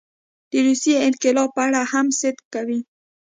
د روسیې انقلاب په اړه هم صدق کوي.